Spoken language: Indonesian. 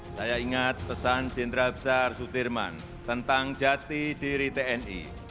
saya ingat pesan jenderal besar sudirman tentang jati diri tni